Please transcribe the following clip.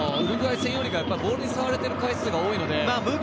前回のウルグアイ戦よりボールに触れている回数が多いので。